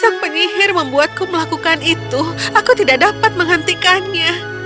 sang penyihir membuatku melakukan itu aku tidak dapat menghentikannya